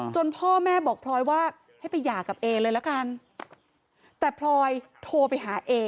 พ่อแม่บอกพลอยว่าให้ไปหย่ากับเอเลยละกันแต่พลอยโทรไปหาเอ